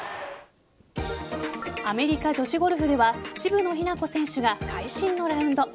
アメリカ女子ゴルフでは渋野日向子選手が会心のラウンド。